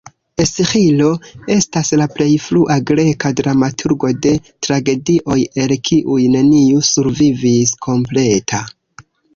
Esĥilo estas la plej frua greka dramaturgo de tragedioj el kiuj neniu survivis kompleta.